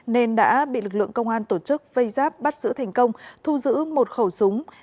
nên đã bị lực lượng công an tổ chức vây giáp bắt giữ thành công thu giữ một khẩu súng